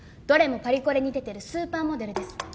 どれもパリコレに出てるスーパーモデルです